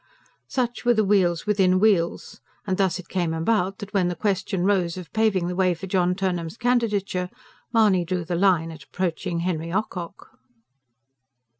Such were the wheels within wheels. And thus it came about that, when the question rose of paving the way for John Turnham's candidature, Mahony drew the line at approaching Henry Ocock.